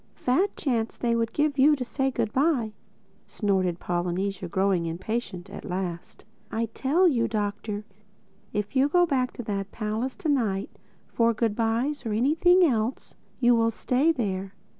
"A fat chance they would give you to say good bye!" snorted Polynesia growing impatient at last. "I tell you, Doctor, if you go back to that palace tonight, for goodbys or anything else, you will stay there.